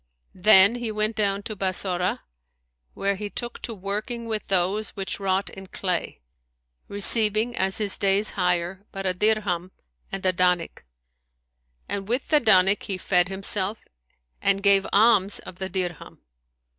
Then he went down to Bassorah, where he took to working with those which wrought in clay,[FN#161] receiving, as his day's hire, but a dirham and a danik;[FN#162] and with the danik he fed himself and gave alms of the dirham.